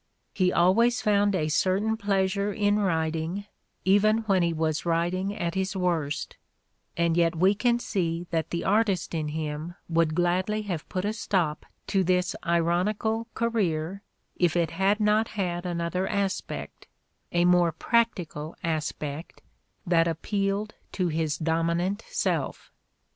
'' He always found a certain pleasure in writing even when he was writing at his worst, and yet we can see that the artist in him would gladly have put a stop to this ironical career, if it had not had another aspect, a more practical aspect, that appealed to his dominant self.